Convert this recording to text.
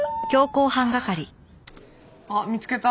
あっ見つけた。